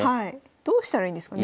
どうしたらいいんですかね。